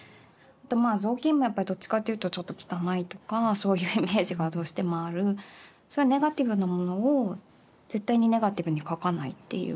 ぞうきんもやっぱりどっちかっていうとちょっと汚いとかそういうイメージがどうしてもあるそういうネガティブなものを絶対にネガティブに描かないっていう。